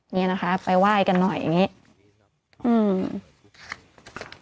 นี่นะคะไปว่ายกันหน่อยอย่างนี้